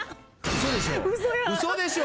・嘘でしょ！？